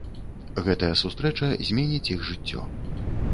Гэтая сустрэча зменіць іх жыццё.